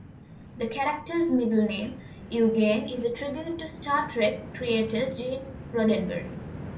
The character's middle name, "Eugene", is a tribute to "Star Trek" creator Gene Roddenberry.